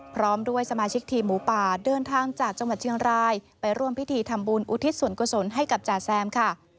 พร้อมด้วยสมาชิกทีมหมูป่าเดินทางจากจังหวัดเชียงรายไปร่วมพิธีทำบุญอุทิศส่วนกุศลให้กับจ่าแซมค่ะ